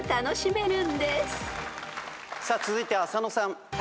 さあ続いて浅野さん。